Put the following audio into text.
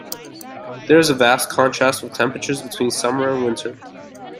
There is a vast contrast with temperatures between summer and winter.